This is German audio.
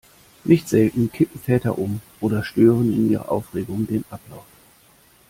Nicht selten kippen Väter um oder stören in ihrer Aufregung den Ablauf.